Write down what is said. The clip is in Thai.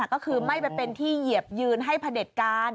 ก็คือไม่ไปเป็นที่เหยียบยืนให้พระเด็จการ